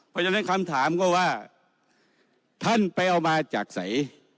เพราะฉะนั้นคำถามก็ว่าท่านไปเอามาจากไหน